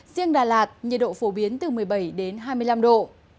riêng đà lạt nhiệt độ phổ biến từ một mươi bảy đến hai mươi năm độ